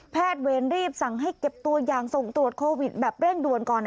เวรรีบสั่งให้เก็บตัวอย่างส่งตรวจโควิดแบบเร่งด่วนก่อน